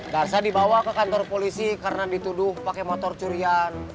darsa dibawa ke kantor polisi karena dituduh pakai motor curian